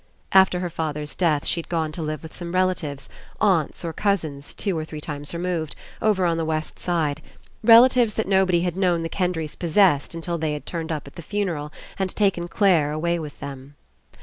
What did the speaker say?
After her father's death she'd gone to live with some relatives, aunts or cousins two or three times removed, over on the west side : relatives that nobody had known the Kendry's possessed until they had turned up at the fu neral and taken Clare away with them.